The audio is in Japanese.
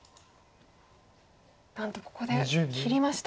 なんとここで切りました。